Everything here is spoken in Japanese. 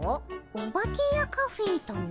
オバケやカフェとな。